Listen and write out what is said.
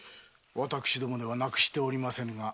私どもでは無くしておりませんが。